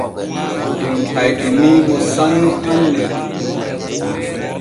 Ɗum hayɗinii mo sanne hanne.